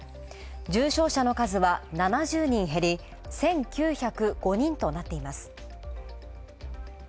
重症者の数は７０人減り１９０５人となっています。